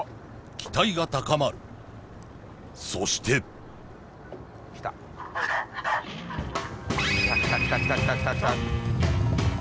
期待が高まるそしてキタキタキタキタキタ。